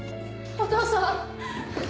お父さん！